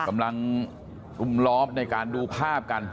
กำลังรุมล้อมในการดูภาพกัน